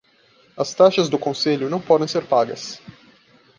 As taxas do conselho não podem ser pagas.